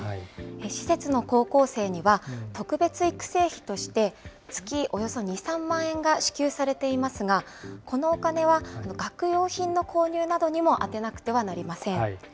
施設の高校生には、特別育成費として月およそ２、３万円が支給されていますが、このお金は学用品の購入などにも充てなくてはなりません。